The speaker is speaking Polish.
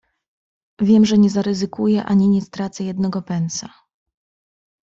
"Wiem, że nie zaryzykuję ani nie stracę jednego pensa."